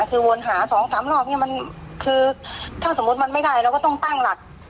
คือวนหาสองสามรอบเนี่ยมันคือถ้าสมมุติมันไม่ได้เราก็ต้องตั้งหลัก